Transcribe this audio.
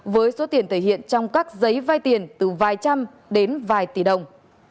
với số tiền thể hiện trong các giấy vai tiền từ vài trăm đến vài tỷ đồng